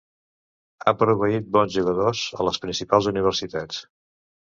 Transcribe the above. Ha proveït bons jugadors a les principals universitats.